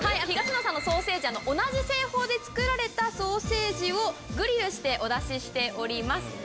東野さんのソーセージ同じ製法で作られたソーセージをグリルしてお出ししております。